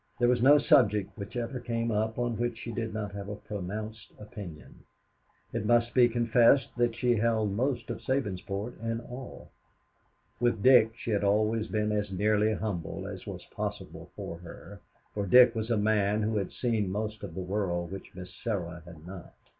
There was no subject which ever came up on which she did not have a pronounced opinion. It must be confessed that she held most of Sabinsport in awe. With Dick, she had always been as nearly humble as was possible for her, for Dick was a man who had seen most of the world which Miss Sarah had not.